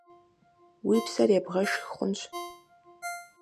Уи псэр ебгъэшх хъунщ.